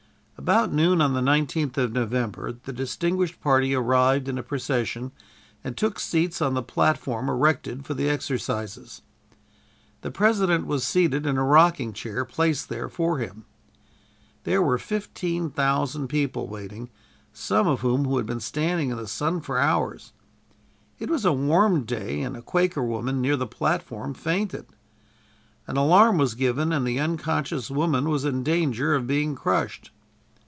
About noon on the 19th of November, the distinguished party arrived in a procession and took seats on the platform erected for the exercises. The President was seated in a rocking chair placed there for him. There were fifteen thousand people waiting, some of whom had been standing in the sun for hours. It was a warm day and a Quaker woman near the platform fainted. An alarm was given and the unconscious woman was in danger of being crushed.